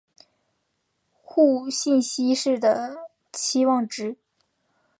互信息是的期望值。